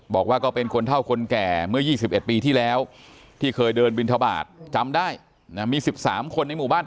บอกว่าก็เป็นคนเท่าคนแก่เมื่อ๒๑ปีที่แล้วที่เคยเดินบินทบาทจำได้มี๑๓คนในหมู่บ้าน